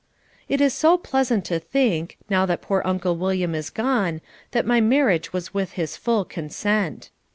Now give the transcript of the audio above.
It is so pleasant to think now that poor Uncle William is gone that my marriage was with his full consent.